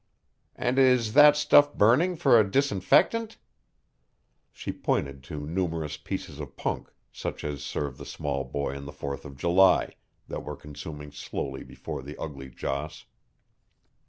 "And is that stuff burning for a disinfectant?" She pointed to numerous pieces of punk, such as serve the small boy on the Fourth of July, that were consuming slowly before the ugly joss.